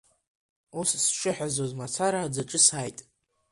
Ус сшыҳәазоз мацара аӡаҿы сааит.